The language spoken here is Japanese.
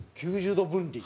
９０度分離？